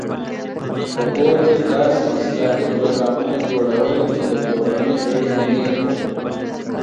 په کور کې د داسې اصلاحي پروګرامونو جوړول چې د کورنۍ غړي د نېکو